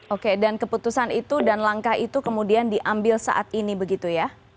oke dan keputusan itu dan langkah itu kemudian diambil saat ini begitu ya